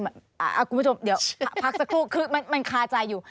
คุณผู้ชมเดี๋ยวพักสักครู่คือมันคาใจอยู่